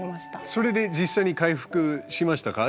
それで実際に回復しましたか？